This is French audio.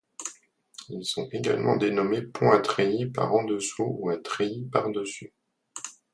Ils sont également dénommés ponts à treillis par en dessous ou à treillis par-dessus.